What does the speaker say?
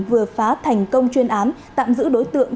vừa phá thành công chuyên án tạm giữ đối tượng